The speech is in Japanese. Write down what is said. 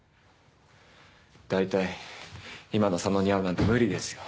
だいたい今の佐野に会うなんて無理ですよ。